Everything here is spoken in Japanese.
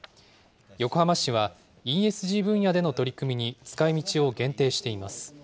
横浜市は、ＥＳＧ分野での取り組みに使いみちを限定しています。